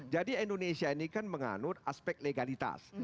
jadi indonesia ini kan menganur aspek legalitas